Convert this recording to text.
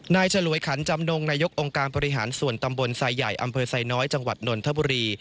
นายชะลวยคันจำนงนายกองการปฏิหารส่วนตำบลทรายใหญ่อำเภอทรายน้อยจังหวัดนนทบุรี